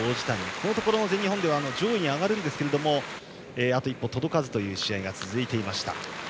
このところの全日本では上位に上がるんですけれどもあと一歩届かずという試合が続いていました。